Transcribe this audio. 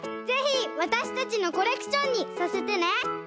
ぜひわたしたちのコレクションにさせてね。